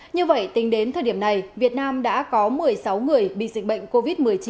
như vậy tính đến thời điểm này việt nam đã có một mươi sáu người bị dịch bệnh covid một mươi chín